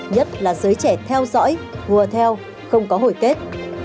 nhất là giới trẻ theo dõi hùa theo không có hồi kết